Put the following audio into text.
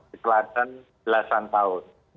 di selatan belasan tahun